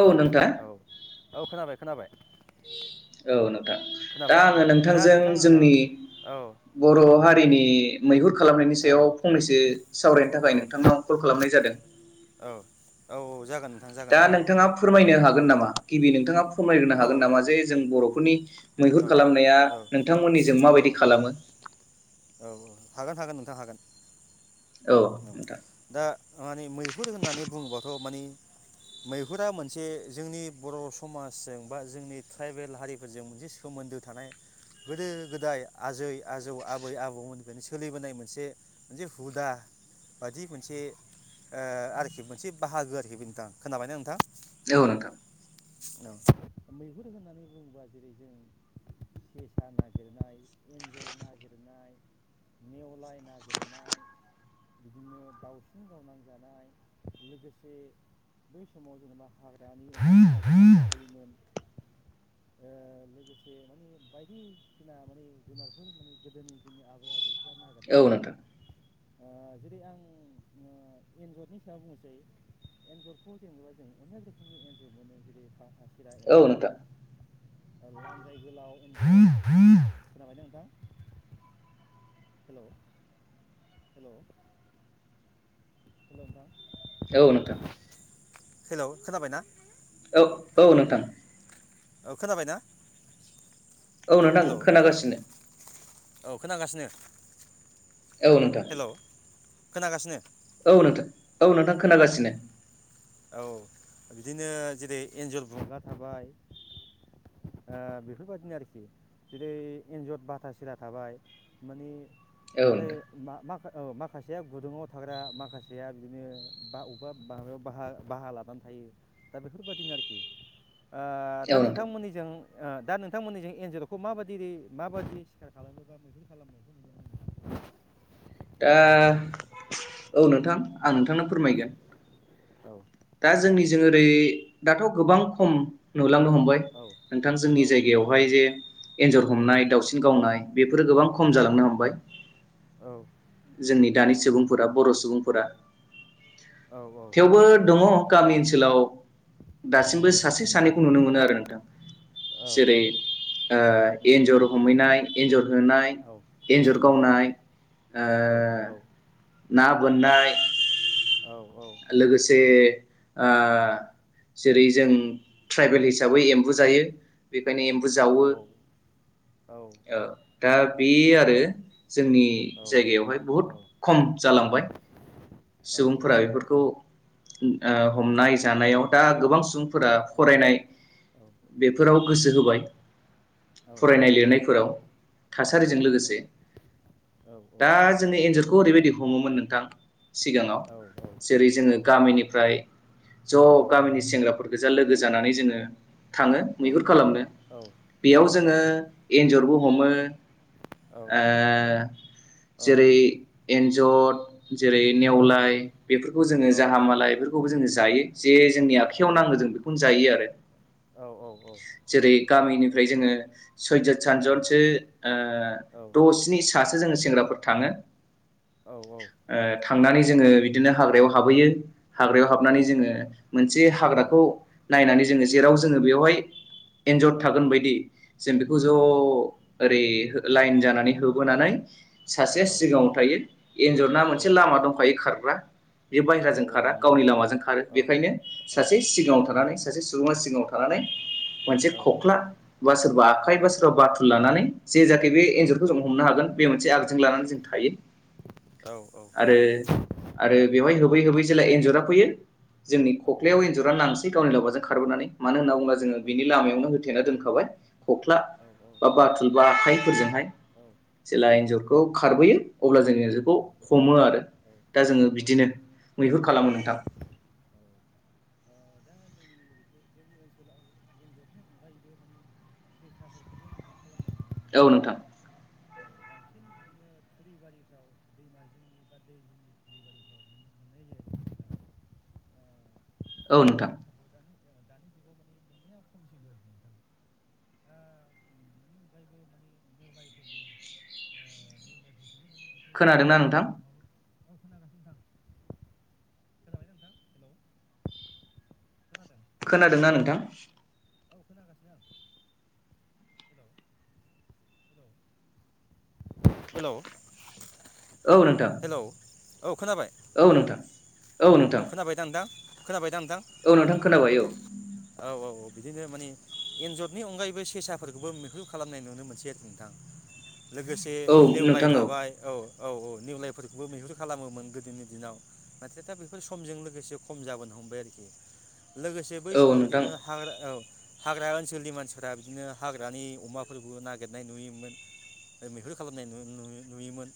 औ नोंथां औ औ खोनाबाय खोनाबाय औ नोंथां दा खोनाबाय ओ आङो दा नोंथांजों नोंथां ओ जोंनि औ औ बर' हारिनि मैहुर खालामनायनि औ सायाव फंनैसो सावरायनो औ थाखाय नोंथांनाव कल खालामनाय जादों औ औ औ जागोन नोंथां जागोन दा नोंथाङा औ फोरमायनो हागोन नामा गिबि नों [inaudible] फोरमायग्रोनो औ हागोन नामा जे जों बर' फोरनि औ मैहुर खालामनाया नोंथांमोननि जों औ माबायदि खालामो औ औ हागोन हागोन नोंथां हागोन औ नोंथां दा माने मैहुर होननानै बुङोबाथ' माने मैहुरा मोनसे जोंनि बर' समाजजों बा जोंनि [unintelligible] हारिफोरजों मोनसे सोमोन्दो थानाय गोदो गोदाय आजै आजौ आब आबै आबौमोननिफ्रायनो सोलिबोनाय मोनसे मोनसे हुदा बादि मोनसे ओ आरोखि मोनसे बाहागो आरोखि बिददा खोनाबायना नोंथां औ नोंथां औ मैहुर होननानै बुङोबा जेरै जों सेसा नागिरनाय एन्जर नागिरनाय नेवलाय नागिरनाय बिदिनो दाउसिन गावननानै जानाय लोगोसे बै समाव जेनेबा हाग्रानि ओ लोगोसे माने बायदिसिना माने जुनारफोर माने गोदोनि जोंनि आबै आबौ नागिर ना औ जायोमोन नोंथां आरोख ओ जेरै आं ओ एन्जरनि सायाव बुंनोसै एन्जरखौ जेनेबा जों अनेक रोखोमनि एन्जर मोनो [inaudible] चिरा एन्जर औ नोंथां ओ लान्जाय गोलाव खोनाबाय ना नोंथां हेलौ हेल' हेल' नोंथां औ नोंथां हेलौ खोनाबाय ना औ औ नोंथां औ खोनाबायना? औ नोंथां हेलौ खोनागासिनो। औ खोनांगासिनो। औ नोंथां खोनागासिनो। औ नोंथां औ नोंथां खोनागासिनो। औ बिदिनो जेरै एन्जर बुंगा थाबाय बेफोरबायदिनो आरोखि जेरै एन्जर बाथा सिरा थाबाय माने। औ नाथाय नोंथां मा मा? माखासेया गुदुङाव थाग्रा माखासेया बिदिनो बा बबेबा बाहा बाहा लानानै थायो दा बेफोरबायदिनो आरोखि दा औ नोंथां नोंथांमोननिजों? दा नोंथांमोननि जों एनजल'खौ माबायदि माबायदि सिखार खालामोबा मैहुर खालामनायखौ दा औ नोंथां आं नोंथांनो फोरमायगोन। औ दा जोंनिजों ओरै दाथ' गोबां खम नु नुलांनो हमबाय औ नोंथां जोंनि जायगायावहाय जे एन्जर औ हमनाय दावसिन गावनाय बेफोरो गोबां खम औ जालांनो हमबाय औ जोंनि दानि सुबुंफोरा बर' सुबुंफोरा औ औ थेवबो दङ गामि ओनसोलाव दासिमबो सासे सानैखौ नुनो मोनो आरो नोंथां औ जेरै ओ उम एन्जर हमहैनाय एन्जर होनाय, औ एन्जर औ गावनाय ओ औ ना बोननाय औ औ ओ ओ उम जेरै जों ट्राइबेल औ हिसाबै औ उम औ एम्बु जायो। बेखायनो एम्बु औ जावो। ओ दा बे आरो जोंनि जायगायावहाय बहुद खम जालांबाय सुबुंफोरा बेफोरखौ हमनाय जानायाव। दा गोबां सुबुं फोरा फरायनाय बेफोराव गोसो होबाय। फरायनाय लिरनायखौ फोराव थासारिजों लोगोसे दा जोंनि एन्जरखौ ओरैबायदि हमोमोन नों? नोंथां सिगाङाव जेरै जोङो गामिनिफ्राय ज' गामिनि सेंग्राफोर गोजा लोगो जानानै जोङो थाङो मैहुर खालामनो औ बेयाव औ जोङो फोरबो हमो औ ओ जेरै एनजर जर जेरै नेवलाय बेफोरखौ जोङो जाहामालाय बेफोरखौबो जोङो जायो जे जोंनि आखायाव नाङो जों बेखौनो जायो आरो जेरै गामिनिफ्राय जोङो सयजोन सानजोनसो ओ दसनि सासे जोङो सेंग्राफोर थाङो ओ थांनानै जोङो बिदिनो हाग्रायाव हाबहैयो हाग्रायाव हाबनानै जोङो मोनसे हाग्राखौ नायनानै जोङो जेराव जोङो बेवहाय एन्जर थागोन बायदि जों बेखौ औ औ अ अओरै लाङ सो होबोनानै सासे औ सिगाङाव थायो एन्जरना मोनसे औ लामा दंखायो खार ग्रा बे औ बाहहेराजों औ खारा गावनि नंगौ लामाजों खारो औ बेखायनो औ सासे सिगाङाव औ थानानै सासे सुबुङा सिगाङाव थानानै मोनसे औ खख्ला बा सोरबा आखाइ बा औ सोर बाथुल लानानै जे जाखि बे औ एन्जरखौ औ जों औ हमनो हागोन बे मोनसे आगजजों लानानै जों थायो आरो आरो बेवहाय होब बै होबै हो जेला एन्जरा फैयो जोंनि खख्लायाव एन्जरा नांसिगोन गावनि लावबाजों खारबोननानै मानो होनांगौ ज बिनि लामायावनो हो थेना दोनखाबाय खख्ला बा बाथुल बा आखाइफोरजोंहाय जेला एन्जरखौ खारबोयो अब्ला जों एन्जर हमो आरो दा जोङो औ बिदिनो औ मैहुर खालामो नोंथां दा जोंनि ओरै जोंनि ओनसोलाव एन्जरनि अनगायैबो माने सेसाफोरखौबो मैहुर खालामनाय नुनो मोनो औ नोंथां औ बांसिन बिदिनो थुरिबारिफ्राव [inaudible] औ नाथाय नोंथां। [inaudible] बेखौ [unintelligible] ना नोंथां लामा लामा औ खोनागासिनो नोंथां खोनाबायना नोंथां हेलौ खोनादों खोनादोंना नोंथां? हेलौ हेलौ हेलौ औ नोंथां हेलौ औ खोनाबाय औ नोंथां औ खोनाबायदा नोंथां? खोनाबाय दा नोंथां औ नोंथां खोनाबाय औ औ औ औ बिदिनो माने एन्जरनि अनगायैबो सेसाफोरखौबो मैहुर खालामनाय नुनो मोनसै आरो नोंथां लोगोसे औ नेवलाय नोंथां थाबाय औ औ औ निउलायफोरखौबो मैहुर खालामोमोन गोदोनि दिनाव नाथाय दा बे फोर समजों लोगोसे खम जाबोनो हमबाय आरोखि लोगोसे बै औ समाव नोंथां बिदिनो हाग्रा औ हाग्रा ओनसोलनि मानसिफ्रा बिदिनो हाग्रानि अमाफोरखौ नागिरनाय नुयोमोन मैहुर खालामनाय नु-नु-नुयोमोन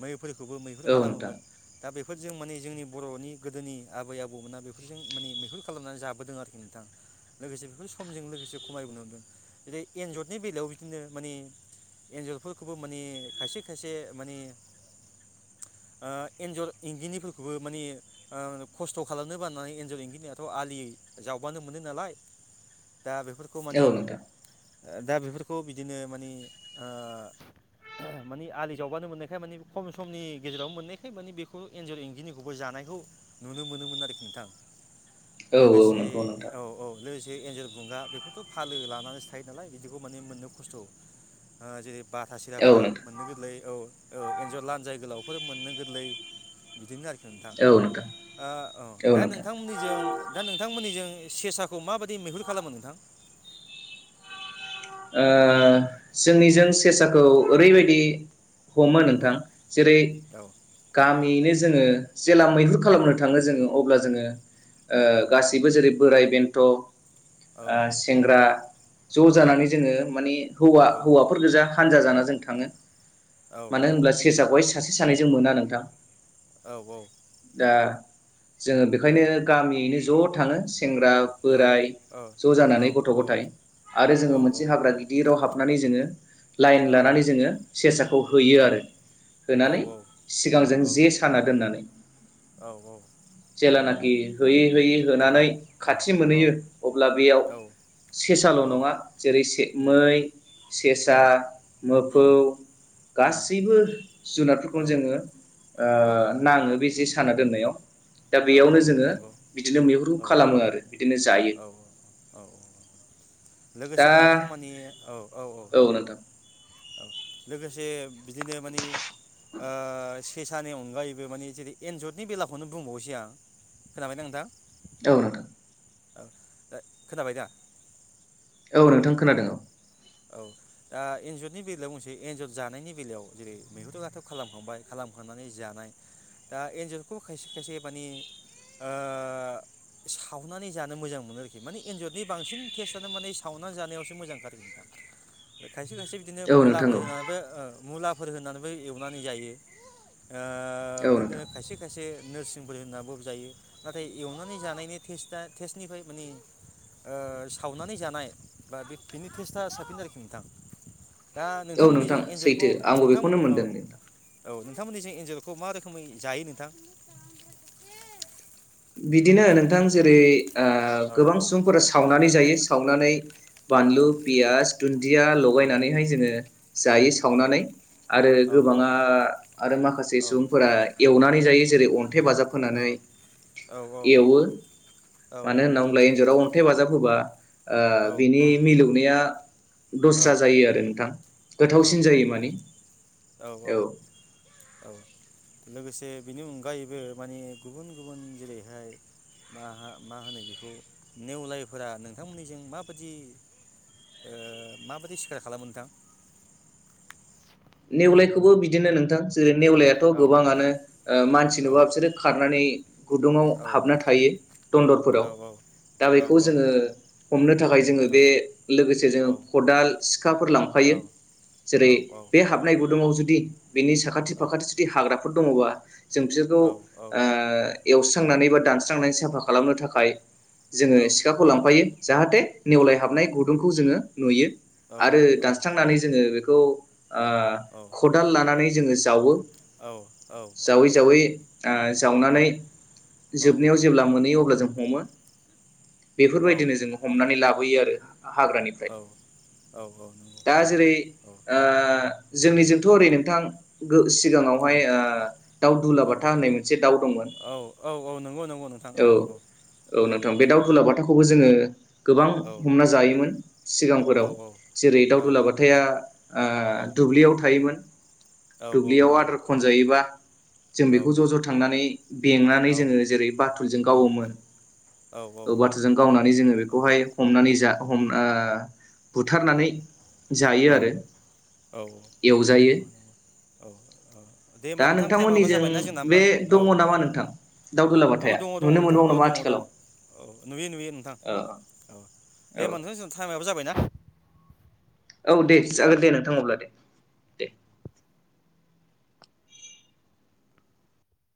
मै फोरखौबो मैहुर औ खालामोमोन नोंथां दा बे फोरजों माने जोंनि बर'नि गोदोनि आबै आब बौमोना बेफोरजों माने मैहुर खालामनानै जाबोदों आरोखि नोंथां लोगोसे बेफोर समजों लोगोसे खमायबोनो हमदों जेरै- एन्जरनि बेलायाव बिदिनो माने एन्जरफोरखौबो माने खायसे खायसे माने ओ एन्जर इंगिनिफोरखौबो माने ओ खस्थ' खालामनो बाननानै एन्जर एंगिनियाथ' आलि जावबानो मोनो नालाय दा बेफोरखौ माने औ नोंथां दा बेफोरखौ बिदिनो माने ओ माने आलि जावबानो मोननायखाय माने खम समनि गेजेरावनो मोननायखाय माने बेखौ एन्जर एंगिनिखौबो जानायखौ नुनो मोनोमोन आरोखि नोंथां औ औ लोगोसे नंगौ नोंथां औ औ लोगोसे एन्जर बुंगा बेफोरथ' फालो लानानैसो थायो नालाय बिदिखौ माने मोननो खस्थ' ओ जेरै- बाथा औ सिराफ्रा नोंथां मोननो गोरलै औ औ एन्जर लानजाय गोलाव फोर मोननो गोरलै बिदिनो आरोखि औ नोंथां ओ औ दा नोंथांमोननिजों दा नोंथांमोननिजों सेसा खौ माबायदि मैहुर खालामो नोंथां ओ जोंनिजों सेसाखौ ओरैबायदि हमो औ नोंथां जेरै औ गामियैनो जोङो जेला मैहुर औ खालामनो थाङो जोङो अब्ला जोङो [inaudible] ओ गासिबो जेरै बोराय बेन्थ' ओ औ सेंग्रा ज' औ जानानै ओ माने हौवा हौवाफोर गोजा हानजा जाना जों थाङो औ मानो होनब्ला सेसाखौहाय सासे सानैजों मोना नोंथां औ औ दा जोङो बेखायनो गामियैनो ज' थाङो सेंग्रा बोराय ज' जानानै गथ' गथाय आरो जों मोन मोनसे हाग्रा गिदिराव हाबनानै जोङो। लाइन लानानै जोङो सेसाखौ होयो आरो होनानै सिगांजों जे साना दोननानै। जेेलानाखि होयै-होयै-होनानै खाथि मोनहैयो अब्ला बेयाव सेसाल' नङा। जेरै से मै सेसा मोफौ गासैबो जुनारफोरखौनो जोङो ओ नाङो बे जे सो साना दोननायाव। दा बेयावनो जोङो नंगौ बिदिनो मैहुरखौ औ खालामो आरो बिदिनो जायो। औ औ लोगोसे दा नोंथां मानि औ औ औ। औ लोगोसे बिदिनो माने ओ सेसानि अनगायैबो माने जेरै- एन्जतनि बेलाखौनो बुंबाव [unintelligible] आं खोनाबायना नोंथां। औ नोंथां। औ दा खोनाबाय दा। औ नोंथां खोनादों औ। औ दा एन्जरनि बेलायाव बुंसै एन्जर जानायनि बेलायाव जेरै- मैहुराथ खालामखांबाय खालामखांनानै जानाय दा एन्जरखौ खयसे खायसे माने ओ सावनानै जानो मोजां मोनो आरोखि माने ओ एन्जरनि बांसिन टेस्टआनो माने सावनानै जानायावसो मोजांखाआरोखि नोंथां। खायसे खायसे बिदिनो औ नोंथां मुलाफोर औ होनानैबो ओ मुला। फोर होनानैबो एवनानै जायो। ओ औ बिदिनो नोंथां खायसे खायसे। नोरसिंफोर होनना बजायो नाथाय एवनानै जानायनि टेस्टआ टेस्टनिफ्राय माने सावनानै जानाय बा बे-बेनि टेस्ट। [unintelligible] साफिन आरोखि नोंथां। दा औ नोंथांमोननि जों नोंथां एन्जोलखौ सैथो आंबो नोंथां बेखौनो औ। मोनदों औ नोंथांमोननिसै एन्जर खौ मा रोखोमै जायो नोंथां। बिदिनो नोंथां जेरै- ओ औ गोबां सुबुंफोरा सावनानै जायो। सावनानै बानलु औ पियास दुन्दिया औ लगायनानैहाय जोङो जायो औ सावनानै आरो औ गोबाङा आरो माखासे औ सुबुंफोरा एवनानै जायो जेरै- अन्थाइ बाजाब होनानै औ एवो मानो होनना बुंब्ला एन्ज राव अन्थाइ बाजाब होबा ओ बिनि मिलौनाया दस्रा जायो आरो नोंथां। औ गोथावसिन औ जायो माने औ औ औ लोगोसे से बिनि अनगायैबो माने गुबुन गुबुन जेरैहाय मा मा होनो बेखौ नेवलायफोरा नोंथांमोननिजों माबादि ओ माबादि सिखार खालामो नोंथां? नेवलायखौबो बिदिनो नों थां जेरै नेवलायाथ' औ गोबाङानो ओ मानसि औ नुबा बिसोरो खारनानै गुदुङाव हाबना औ थायो दन्दरफोराव। औ दा औ बेखौ जोङो हमनो थाखाय जोङो बे लोगोसे जोङो खदाल सिखाफोर लांफायो। जेरै औ हाबलाय गुदुङाव जुदि बेनि साखाथि औ औ फाखाथि जुदि हाग्रा फोर दङ'बा जों औ नंगौ औ बिसोरखौ ओ एवस्रांनानै बा दानस्रांनानै साफा खालामनो थाखाय जोङो सिखाखौ लांफायो। जाहाथे नेवलाय हाबनाय गुदुं खौ जोङो नुयो। आरो दानस्रांनानै जोङो बेखौ ओ खदाल लाना नै जोङो जावो। जावै जावै ओ जावनानै जोबनायाव जेब्ला मोनहैयो अब्ला जों हमो। बेफोरबायदिनो जोङो हमनानै ला बोयो आरो हाग्रानिफ्राय दा जेरै ओ जोंनिजोंथ' ओरै नोंथां गो सिगाङावहाय ओ दाउ दुलाबाथा होननाय मोनसे औ औ नंगौ नंगौ नोंथां औ नंगौ औ खौबो जोङो गोबां औ नंगौ औ हमना जायोमोन सिगांफोराव। जेरै औ दाउ दुलाबथाया आ दुब्लियाव थायोमोन। दुब्लियाव आदार खनजायोबा जों बेखौ ज' ज' थांनानै बेंनानै जोङो जेरै बाथुलजों गावोमोन औ बाथुलजों गावनानै जोङो बेखौहाय हमनानै जा हमना अ बुथारनानै जायो आरो औ औ औ औ एवजायो औ दे दा हबा नोंथां टाइमाबो नोंथांमोननिजों जाबायना जोंना बे होमबा औ दङ नामा नोंथां दावदुला औ बाथाया दङ दङ नुनो नोंथां मोनबावो औ नामा दङ दङ आथिखालाव औ नुयो नुयो नोंथां औ औ दे औ होनबा नोंथां जों टाइमाबो जाबाय ना। औ दे जागोन दे नोंथां अब्ला दे।